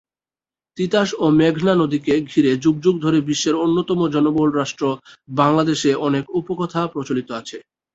তিতাস ও মেঘনা নদীকে ঘিরে যুগ যুগ ধরে বিশ্বের অন্যতম জনবহুল রাষ্ট্র বাংলাদেশে অনেক উপকথা প্রচলিত আছে।